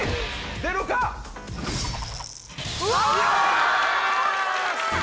出るか⁉うわ！